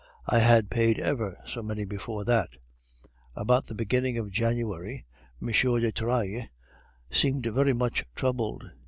I had paid ever so many before that. About the beginning of January M. de Trailles seemed very much troubled.